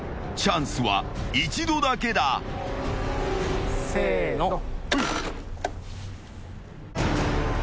チャンスは一度だけだ］せーの。